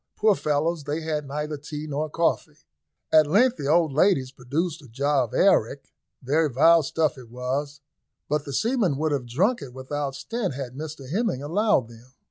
Poor fellows! they had neither tea nor coffee. At length the old ladies produced a jar of arrack very vile stuff it was, but the seamen would have drunk it without stint had Mr Hemming allowed them.